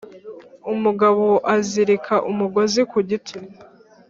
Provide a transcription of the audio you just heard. Umugabo azirika umugozi ku giti